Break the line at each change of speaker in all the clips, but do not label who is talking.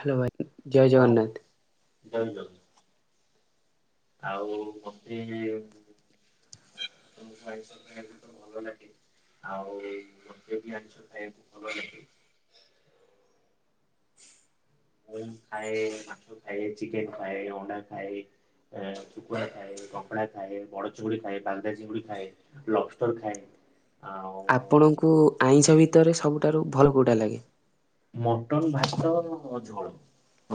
Hello ଭାଇ ଜୟ
ହଁ
ଜଗନ୍ନାଥ।
ଜୟ [unintelligible] ଆଉ ମତେ [unintelligible] ଆଉ ମୋତେ ବି ଆଇଁଷ ଖାଇବାକୁ ଭଲ ଲାଗେ। ମୁଁ ଖାଏ ମାଛ ଖାଏ ଚିକେନ ଖାଏ ଅଣ୍ଡା ଖାଏ। ଶୁଖୁଆ ଖାଏ କଙ୍କଡ଼ା ଖାଏ ବଡ ଚୁଙ୍ଗୁଡ଼ି ଖାଏ ବାଗଦା ଚିଙ୍ଗୁଡ଼ି ଖାଏ। ଲବକ୍ଷ୍ଟର ଖାଏ। ଆଉ
ଆପଣଙ୍କୁ ଆଇଁଷ ଭିତରେ ସବୁଠାରୁ ଭଲ କୋଉଟା ଲାଗେ?
ମଟନ ଭାତ ଝୋଳ।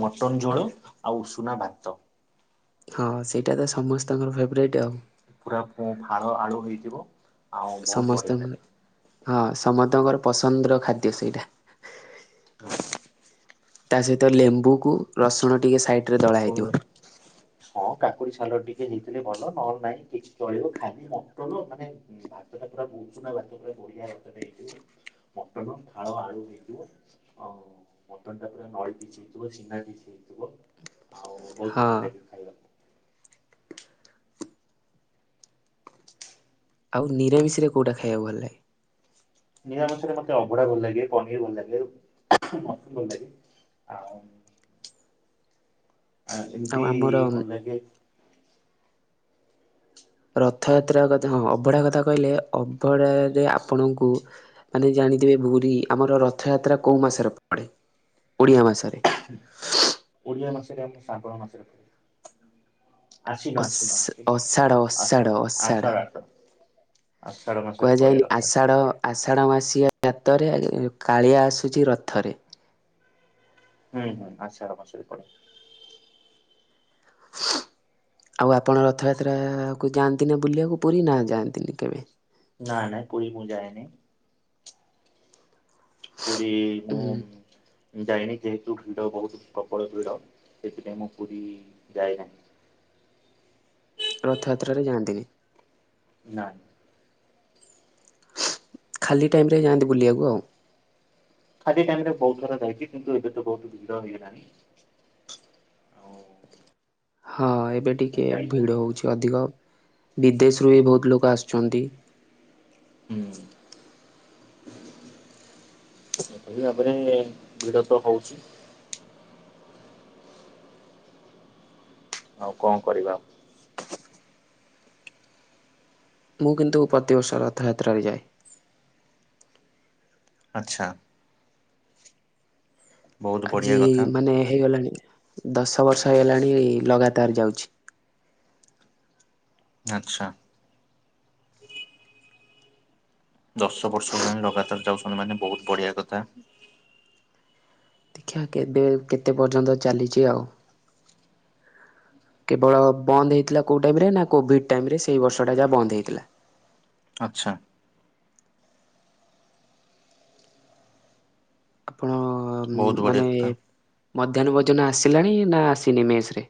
ମଟନ ଝୋଳ ଆଉ ଉଷୁନା ଭାତ।
ହଁ ସେଇଟା ତ ସମସ୍ତଙ୍କର ଫେବ୍ରାଇଟ୍ ଆଉ।
ପୁରା ଫୋ-ଫାଳ ଆଳୁ ହେଇଥିବ ଆଉ ବହୁତ ବଢିଆ
ସମସ୍ତଙ୍କର ହଁ ସମତଙ୍କର ପସନ୍ଦର ଖାଦ୍ୟ ସେଇଟା।
[unintelligible]
ତା ସହିତ ଲେମ୍ବୁକୁୁ ରସୁଣ ଟିକେ ସାଇଟ୍
[inaudible] ହଁ କାକୁଡି ସାଲଡ଼ ଟିକେ ହେଇଥିଲେ ଭଲ ନହଲେ ନାଇଁ କିଛି ଚଳିବ ଖାଲି ମଟନ ମାନେ ଭାତ ଟା ପୁରା ଗୁଚୁନା ଭାତ ପୁରା ବଢିଆ ଭାତଟେ ହେଇଥିବ ମଟନ ଫାଳ ଆଳୁ ହେଇଥିବ ଆଉ ମଟନ ଟା ପୁରା ନଳିପିସ୍ ହେଇଥିବ ସିନା ପିସ୍ ହେଇଥିବ ଆଉ ବହୁତ
ହଁ।
ଭଲ ଲାଗିବ ଖାଇବାକୁ।
ଆଉ ନିରରାମିଶରେ କୋଉଟା ଖାଇବାକୁ ଭଲ ଲାଗେ?
ନିରାମିସରେ ମତେ ଅଭଡା ଭଲ ଲାଗେ, ପନିର ଭଲ ଲାଗେ, ମସୃମ୍ ଭଲ ଲାଗେ। ଆଉ ଆ
ଆଉ
ଯେମିତି
ଆମର
ଭଲ୍ ଲାଗେ
ରଥଯାତ୍ରା କଥା ହଁ ଅଭଡା କଥା କହିଲେ ଅଭଡାରେ ଆପଣଙ୍କୁ ମାନେ ଜାଣିଥିବେ ଭୁରୀ ଆମର ରଥଯାତ୍ରା କୋଉ ମାସେରେ ପଡେ ଓଡିଆ ମାସରେ?
ଓଡ଼ିଆ ମାସରେ ଆମ ଶ୍ରାବଣ ମାସରେ ପଡେ। ଆଶ୍ୱିନ ଆଶ୍ୱିନ
ଅଷା
ଆଶ୍ୱିନ,
ଅଷାଢ଼ ଅଷାଢ଼
ଆଷାଢ଼
ଅଷାଢ଼
ଆଷାଢ଼ ଆଷାଢ଼। ଆଷାଢ଼ ମାସରେ ପଡେ
କୁହାଯାଏନି
ରଥଯାତ୍ରା।
ଆଷାଢ଼ ଆଷାଢ଼ ମାସିଆ ଯା-ତରେ କାଳିଆ ଆସୁଚି ରଥରେ।
ହୁଁ ହୁଁ ଆଷାଢ଼ ମାସରେ ପଡେ।
ଆଉ ଆପଣ ରଥଯାତ୍ରା କୁ ଯାଆନ୍ତି ନା ବୁଲିଆକୁ ପୁରୀ ନା ଯାଆନ୍ତିନି କେବେ?
ନା ନାଁଏ ପୁୁରୀ ମୁଁ ଯାଏନି। ପୁରୀ ମୁଁ
ହୁଁ
ଯାଇ ନି ଯେହେତୁ ଭିଡ ବହୁତ୍ ପ୍ରବଳ ଭିଡ ସେଥିପାଇଁ ମୁଁ ପୁରୀ ଯାଏନାହିଁ।
ରଥଯାତ୍ରାରେ ଯାଆନ୍ତିନି।
ନାଁ।
ଖାଲି ଟାଇମ୍ ରେ ଯାଆନ୍ତି ବୁଲିଆକୁ ଆଉ।
ଖାଲି ଟାଇମ୍ ରେ ବହୁତ ଥର ଯାଇଚି କିନ୍ତୁ ଏବେ ତ ବହୁତୁ ଭିଡ ହେଇଗଲାଣି। ଆଉ
ହଁ ଏବେ
ସେଥିପାଇଁ
ଟିକେ
ଯାଇ ହଉନି
ଭିଡ଼ ହଉଚି ଅଧିକ ବିଦେଶରୁୁ ବି ବହୁତ ଲୋକ ଆସୁଚନ୍ତି।
ହୁଁ। ସେହିପରି ଭାବରେ ଭିଡ ତ ହଉଚି। ଆଉ କଣ କରିବା ଆଉ।
ମୁଁ କିନ୍ତୁ ପ୍ରତିବର୍ଷ ରଥଯାତ୍ରାରେ ଯାଏ।
ଆଚ୍ଛା। ବହୁତ
ଆଜି
ବଢ଼ିଆ କଥା
ମାନେ ହେଇଗଲାଣି ଦଶ ବର୍ଷ ହେଇଗଲାଣି ଲଗାତାର ଯାଉଛି।
ଆଚ୍ଛା। ଦଶ ବର୍ଷ ହେଲାଣି ଲଗାତାର ଯାଉଛନ୍ତି ମାନେ ବହୁତ୍ ବଢିଆ କଥା।
ଦେଖିଆ କେବେ କେତେ ପର୍ଯ୍ୟନ୍ତ ଚାଲିଚି ଆଉ। କେବଳ ବନ୍ଦୁ ହେଇଥିଲା କୋଉ ଟାଇମରେ ନା କୋଭିଡ୍ ଟାଇମ୍ ରେ ସେଇ ବର୍ଷଟା ଯାହା ବନ୍ଦ ହେଇଥିଲା।
ଆଚ୍ଛା। ବହୁତ
ଆପଣ-ଅ
ବଢ଼ିଆ
ମାନେ
କଥା।
ମଧ୍ୟାହ୍ନ ଭୋଜନ ଆସିଲାଣି ନା ଆସିନି ମେସ୍ ରେ?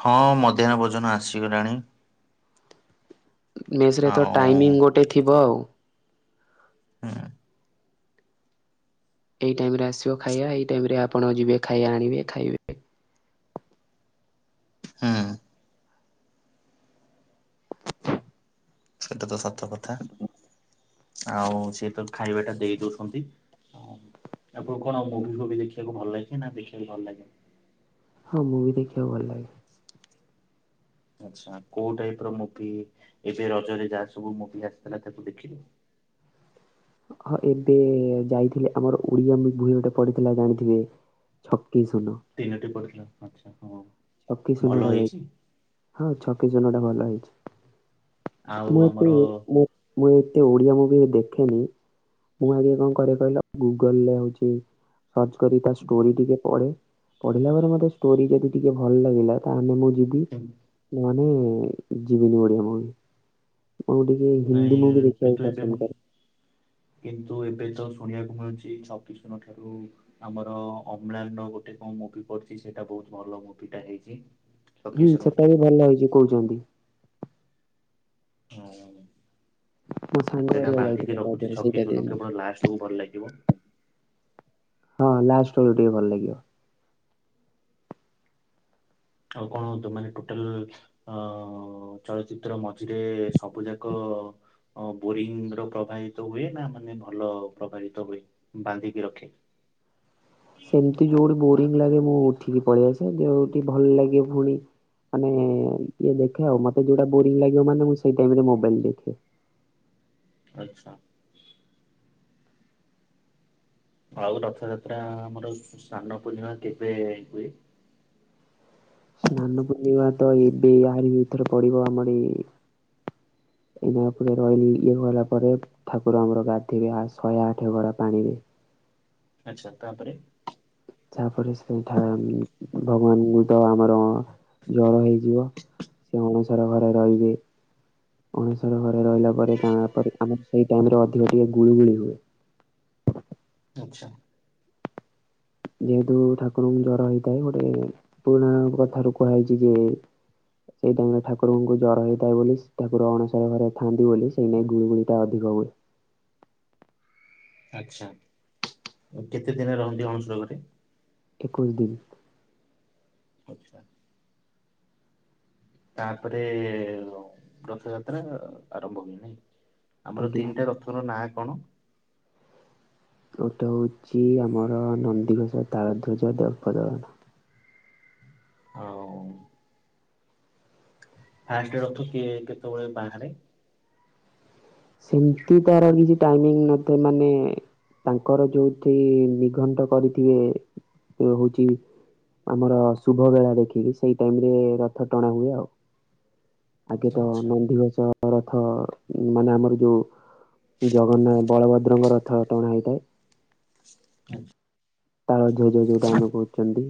ହଁ, ମଧ୍ୟାହ୍ନ ଭୋଜନ ଆସିଗଲାଣି।
ମେସ୍ ରେ ତ
ଆଉ
ଟାଇମିଂ ଗୋଟେ ଥିବ ଆଉ। ଏଇ ଟାଇମ୍ ରେ ଆସିବ ଖାଇଆ। ଏଇ ଟାଇମ୍ ରେ ଆପଣ ଯିବେ ଖାଇଆ ଆଣିବେ, ଖାଇବେ।
ହୁଁ।
[unintelligible]
ଏଟା ତ ସତ କଥା। ଆଉଁ ସିଏ ତ ଖାଇବାଟା ଦେଇ ଦଉଛନ୍ତି। ହଁ, ଆପଣ କଣ ଆଉ ମୁଭି ଫୁଭି ଦେଖିଆକୁ ଭଲ ଲାଗେ ନା, ଦେଖିବା ଭଲ ଲାଗେ?
ହଁ, ମୁଭି ଦେଖିଆକୁ ଭଲ ଲାଗେ।
ଆଛା, କୋଉ ଟାଇପ୍ ର ମୁଭି ଏବେ ରଜରେ ଯାହା ସବୁ ମୁଭି ଆସିଥିଲା ତାକୁ ଦେଖିଲୁ?
ହଁ, ଏବେ ଯାଇଥିଲେ ଆମର ଉଡିଆ ମୁଭି ଗୋଟେ ପଢିଥିଲା ଜାଣିଥିବେ? ଛକି ଶୂନ!
ତିନୋଟି ପଡିଥିଲା। ଆଛା, ହଁ!
ଛକି ଶୂନ
ଭଲ
ଟା ଯାଇ,
ହେଇଛି
ହଁ, ଛକି ଶୂନ ଟା ଭଲ ହେଇଛି।
ଆଉ
ମୁଁ
ଆମର
ଏତେ, ମୁଁ-ମୁଁ ଏତେ ଓଡିଆ ମୁଭି ଦେଖେନି। ମୁଁ ଆଗେ କଣ କରେ କହିଲ? ଗୁଗଲ୍ ରେ ହଉଛି ସର୍ଚ୍ଚ କରି ତା ଷ୍ଟୋରି ଟିକେ ପଢେ। ପଢିଲା ପରେ ମୋତେ ଷ୍ଟୋରି ଯଦି ଟିକେ ଭଲ ଲାଗିଲା, ତାହେନେ ମୁଁ ଯିବି। ମାନେ-ଏ ଯିବିନି ଓଡିଆ ମୁଭି। ମୁଁ ଟିକେ ହିନ୍ଦୀ ମୁଭି
ନାଇଁ
ଦେଖିଆକୁ
କିନ୍ତୁ ଏବେ ମୁଁ
ପସନ୍ଦ କରେ।
କିନ୍ତୁ, ଏବେ ତ ଶୁଣିଆକୁ ମିଳୁଛି, ଛକି ଶୂନ ଠାରୁ ଆମର ଅମ୍ଲାନର ଗୋଟେ କଣ ମୁଭି ପଡିଚି, ସେଇଟା ବହୁତ ଭଲ ମୁଭିଟା ହେଇଚି।
ହୁଁ, ସେଟା ବି ଭଲ ହେଇଚି କହୁଚନ୍ତି।
ହୁଁ-ଉଁ।
ମୋ ସାଙ୍ଗ
ସେଟା
ହେରିକା
ବାନ୍ଧିକି
ଯାଇଥିଲେ ତା
ରଖୁଛି
ଦେହରେ
ଛକି
ସେଇଟା ବି
ଶୂନ କେବଳ ଲାଷ୍ଟକୁୁ ଭଲ ଲାଗିବ!
ହଁ, ଲାଷ୍ଟବେଳୁ ଟିକେ ଭଲ ଲାଗିବ।
ଆଉ କଣ ତମ ମାନେ ଟୋଟାଲ୍ ଅ-ଅଁ ଚଳଚିତ୍ର ମଝିରେ ସବୁ ଯାକ-ଅ ଅ ବୋରିଂ ର ପ୍ରବାହିତ ହୁଏ, ନା ମାନେ ଭଲ ପ୍ରବାହିତ ହୁଏ, ବାନ୍ଧିକି ରଖେ?
ସେମିତି ଯୋଉଠି ବୋରିଙ୍ଗ୍ ଲାଗେ ମୁଁ ଉଠିକି ପଳେଇଆସେ। ଯୋଉଠି ଭଲ ଲାଗେ ଫୁଣି ମାନେ-ଏଁ ଇଏ ଦେଖେ ଆଉ। ମତେ ଯୋଉଟା ବୋରିଂ ଲାଗିବ ମାନେ ମୁଁ ସେଇ ଟାଇମ୍ ରେ ମୋବାଇଲ୍ ଦେଖେ।
ଆଛା! ଆଉ ରଥଯାତ୍ରା ଆମର ସ୍ନାନ ପୂର୍ଣିମା କେବେ ହୁଏ?
ସ୍ନାନ ପୁର୍ଣିମା ତ ଏବେ ଆହାରି ଭିତରେ ପଡିବ, ଆମର ଏ [unintelligible] ଇଏ ହଇଲା ପରେ ଠାକୁର ଆମର ଗାଧେଇବେ, ଆ ଶହେ ଆଠେ ଗରା ପାଣିିରେ।
ଆଛା ତା'ପରେ?
ଯାହାପରେ ସେଇଠା ଭଗବାନଙ୍କୁ ତ ଆମରଁ ଜ୍ର ହେଇଯିବ। ସେ ଅଣସର ଘରେ ରହିବେ। ଅଣସର ଘରେ ରହିଲା ପରେ ତାଁ 'ପରେ ଆମର ସେଇ ଟାଇମ୍ ରେ ଅଧିକ ଟିକେ ଗୁଳୁ ଗୁଳି ହୁଏ।
ଆଛା!
ଯେହେତୁ ଠାକୁରଙ୍କୁ ଜ୍ୱର ହେଇଥାଏ ଗୋଟେ ପୁରୁଣା କଥା ରୁ କୁହାଇଛି ଯେ ସେଇ ଟାଇମ୍ ରେ ଠାକୁରଙ୍କୁ ଜ୍ୱର ହେଇଥାଏ ବୋଲି, ଠାକୁର ଅଣସର ଘରେ ଥାଆନ୍ତି ବୋଲି ସେ ନେଇ ଗୁଳୁଗୁଳିଟା ଅଧିକ ହୁଏ।
ଆଛା, କେତେ ଦିନି ରହନ୍ତି ଅଣସର ଘରେ?
ଏକୋଇଶ ଦିନ୍।
ଆଚ୍ଛା। ତାପରେ ରଥଯାତ୍ରା ଆରମ୍ଭ ହୁଏ ନାଇଁ? ଆମର
ଆଜ୍ଞା।
ତିନିଟା ରଥ ର ନାଁ କଣ?
ଗୋଟେ ହେଉଛି ଆମର ନନ୍ଦିଘୋଷ, ତାଳଧ୍ୱଜ, ଦେବଦଳନ।
ହଉ। ଫାଷ୍ଟ ରଥ କିଏ କେତେବେଳେ ବାହାରେ?
ସେମିତି ତାର କିଛି ଟାଇମିଂ ନ ଥାଏ ମାନେ ତାଙ୍କର ଯୋଉଠି ନିଘଣ୍ଟ କରିଥିବେ ହଉଛି ଆମର ଶୁଭ ବେଳା ଦେଖିକି ସେଇ ଟାଇମ ରେ ରଥ ଟଣା ହୁଏ ଆଉ। ଆଗେ ତ
ଆଚ୍ଛା।
ନନ୍ଦିଘୋଷ ରଥ ମାନେ ଆମର ଯୋଉ ଜଗନ୍ନାଥ ବଳଭଦ୍ରଙ୍କ ରଥ ଟଣା ହେଇଥାଏ।
ଆଚ୍ଛା।
ତାଳଧ୍ଵଜ ଯୋଉଟା ଆମେ କହୁଛନ୍ତି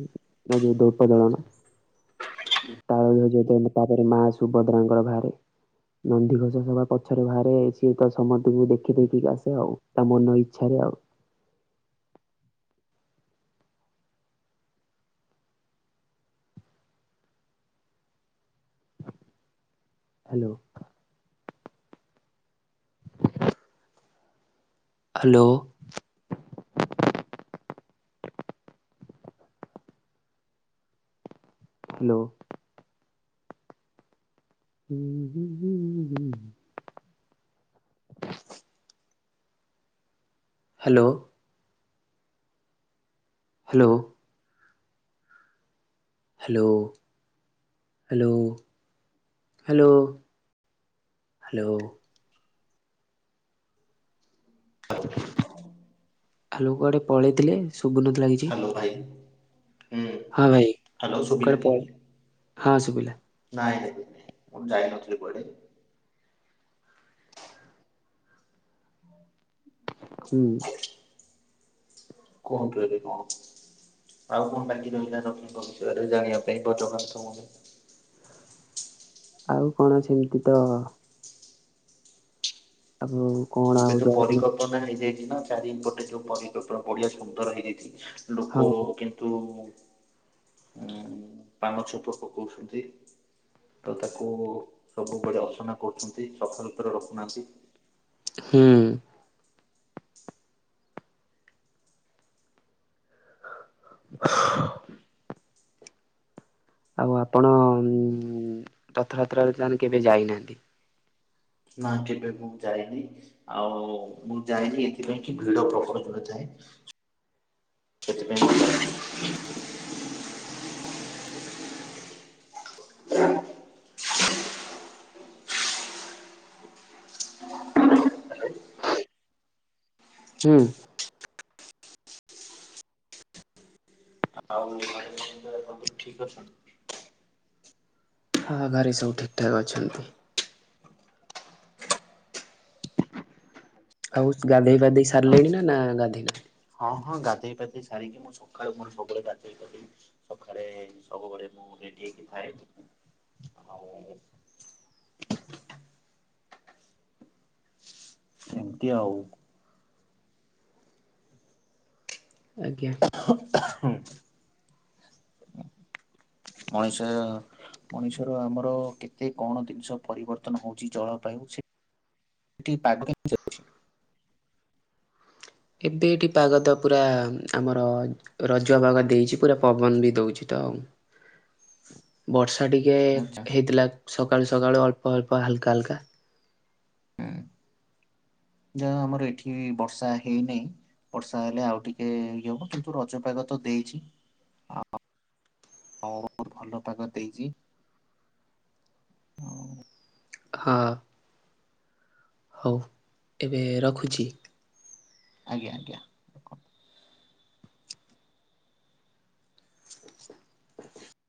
ନା ଯୋଉ ଦର୍ପଦଳନ। ତାଳଧ୍ଵଜ ତାପରେ ମା ସୁଭଦ୍ରାଙ୍କର ବାହାରେ। ନନ୍ଦିଘୋଷ ସବା ପଛରେ ବାହାରେ ସିଏ ତ ସମସ୍ତଙ୍କୁ ଦେଖି ଦେଖିକି ଆସେ ଆଉ ତା ମନ ଇଚ୍ଛାରେ ଆଉ। ହ୍ୟାଲୋ? ହ୍ୟାଲୋ? ହ୍ୟାଲୋ? ହୁଁ ହୁଁ ହୁଁ ହୁଁ ହୁଁ ହୁଁ hello? Hello? Hello hello hello? Hello?
[inaudible]
Hello କୁଆଡ଼େ ପଳେଇଥିଲେ ଶୁଭୁନଥିଲା କିଛି।
ହ୍ୟାଲୋ ଭାଇ ହୁଁ
ହଁ ଭାଇ
ହାଲୋ ଶୁଭିଲା
କୁଆଡେ
କି?
ପଳେଇ ହଁ ଶୁଭିଲା।
ନାଇଁ [unintelligible] ମୁଁ ଯାଇନଥିଲି କୁଆଡେ। [inaudible]
ହୁଁ।
କୁହନ୍ତୁ ଏବେ କଣ? ଆଉ କଣ ବାକି ରହିଲା ଲକ୍ଷ୍ମୀଙ୍କ ବିଷୟରେ ଜାଣିବା ପାଇଁ? [unintelligible]
ଆଉ କଣ ଅଛି ଏମିତି ତ [unintelligible]
ଏବେ ଯୋଉ
ଜଗନ୍ନାଥ
ପରିକଳ୍ପନା ହେଇଯାଇଛି ନା ଚାରି ପଟେ ଯୋଉ ପରିକଳ୍ପନା ବଢିଆ ସୁନ୍ଦର ହେଇଯାଇଛି।
ହଁ।
ଲୋକ କିନ୍ତୁ ଉ ପାନ ଛେପ ପକାଉଛନ୍ତି। ତ ତାକୁ ସବୁବେଳେ ଅସନା କରୁଛନ୍ତି ସଫାସୁତୁରା ରଖୁନାହାନ୍ତି।
ହୁଁ। [inaudible] ଆଉ ଆପଣ ଉ ରଥଯାତ୍ରାରେ ତାମାନେ କେବେ ଯାଇନାହାନ୍ତି।
ନାଇଁ କେବେ ମୁଁ ଯାଇନି। ଆଉ ମୁଁ ଯାଏନି ଏଥିପାଇଁ କି ଭିଡ ପ୍ରବଳ ଜୋରେ ଥାଏ। ସେଥିପାଇଁ। [unintelligible] [inaudible]
ହୁଁ।
ଆଉ ଘରେ ସମସ୍ତେ ଠିକ୍ ଅଛନ୍ତି?
ହଁ ଘରେ ସବୁ ଠିକ୍ ଠାକ୍ ଅଛନ୍ତି। ଆଉ ଗାଧୋଇ ଫାଧେଇ ସାରିଲେଣି ନାଁ ଗାଧୋଇ ନାହାନ୍ତି?
ହଁ ହଁ ଗାଧେଇ ପାଧେଇ ସାରିକି ମୁଁ ସଖାଳୁ ମୋର ସବୁବେଳେ ଗାଧୋଇ ପଡେ। ସକାଳେ ସବୁବେଳେ ମୁଁ ରେଡି ହେଇକି ଥାଏ ଆଉ ଏମିତି ଆଉ।
ଆଜ୍ଞା।
ମଣିଷ ମଣିଷର ଆମର କେତେ କଣ ଜିନିଷ ପରିବର୍ତ୍ତନ ହଉଛି ଜଳବାୟୁ ସେ ଟି ପାଗ [inaudible]
ଏବେ ଏଠି ପାଗ ତ ପୁରା ଆମର ରଜ ପାଗ ଦେଇଚି ପୁରା ପବନ ବି ଦଉଚି ତ ଆଉ। ବର୍ଷା ଟିକେ
ଆଚ୍ଛା
ହେଇଥିଲା ସକାଳୁ ସକାଳୁ ଅଳ୍ପ ଅଳ୍ପ ହାଲକା ହାଲକା।
ହୁଁ। ଯାହା ହଉ ଆମର ଏଠି ବର୍ଷା ହେଇ ନାଇଁ। ବର୍ଷା ହେଲେ ଆଉ ଟିକେ ଇଏ ହବ କିନ୍ତୁ ରଜ ପାଗ ତ ଦେଇଚି। [unintelligible] ବୋହୁତ ଭଲ ପାଗ ଦେଇଚି।
ହଁ। ହଉ ଏବେ ରଖୁଛି।
ଆଜ୍ଞା ଆଜ୍ଞା ରଖନ୍ତୁ।